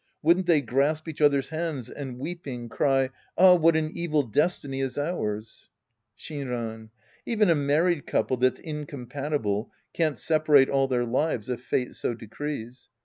Wouldn't they grasp each other's hands and, weeping, cry, " Ah, what an evil destiny is ours !" Shinran. Even a married couple that's incompa tible can't separate all their lives if fate so decrees.